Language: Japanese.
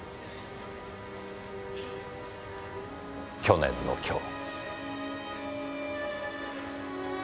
去年の今日。